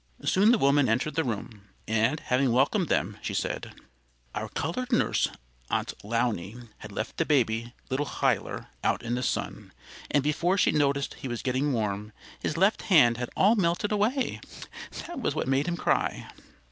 Soon the woman entered the room and, having welcomed them, she said, "Our colored nurse, Aunt Lowney, had left the baby, little Huyler, out in the sun, and before she noticed he was getting warm, his left hand had all melted away. That was what made him cry."